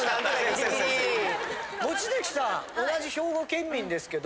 望月さん同じ兵庫県民ですけど？